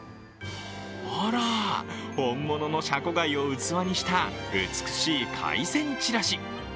あら、本物のしゃこ貝を器にした美しい海鮮ちらし。